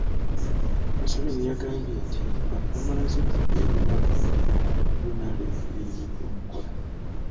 Museveni yagambye nti bano bamulaze ebimu ku bintu NRM by'eremeddwa okukola